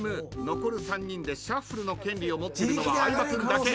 残る３人でシャッフルの権利を持ってるのは相葉君だけ。